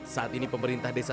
saat ini pemerintah desa